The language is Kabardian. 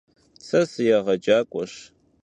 Se sıêğecak'ueş.